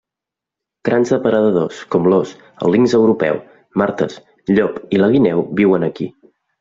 Grans depredadors, com l'ós, el linx europeu, martes, llop i la guineu viuen aquí.